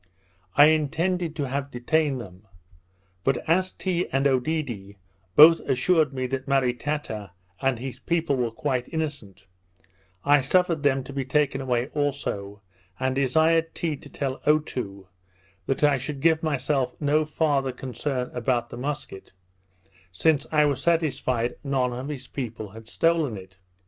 I intended to have detained them; but as Tee and Oedidee both assured me that Maritata and his people were quite innocent, I suffered them to be taken away also, and desired Tee to tell Otoo, that I should give myself no farther concern about the musket, since I was satisfied none of his people had stolen it.